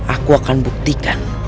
aku akan buktikan